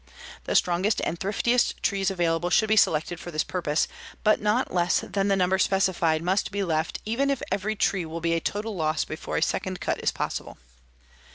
The strongest and thriftiest trees available should be selected for this purpose, but not less than the number specified must be left even if every tree will be a total loss before a second cut is possible.